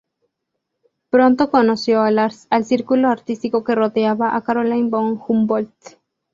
Pronto conoció al círculo artístico que rodeaba a Caroline von Humboldt.